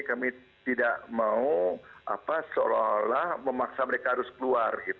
kami tidak mau seolah olah memaksa mereka harus keluar